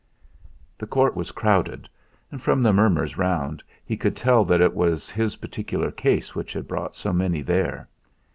The court was crowded; and from the murmurs round he could tell that it was his particular case which had brought so many there.